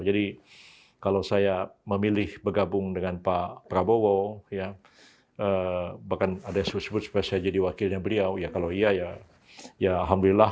kalau saya memilih bergabung dengan pak prabowo bahkan ada yang sebut supaya saya jadi wakilnya beliau ya kalau iya ya alhamdulillah